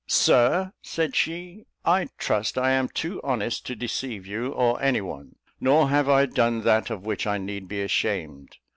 "Sir," said she, "I trust I am too honest to deceive you, or any one; nor have I done that of which I need be ashamed.